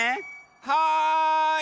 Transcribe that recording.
はい！